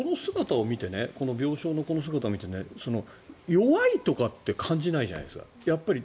でも、病床のこの姿を見て弱いとかって感じないじゃないですか。